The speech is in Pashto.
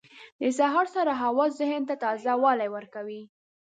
• د سهار سړه هوا ذهن ته تازه والی ورکوي.